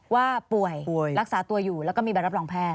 ว่าป่วยรักษาตัวอยู่แล้วก็มีใบรับรองแพท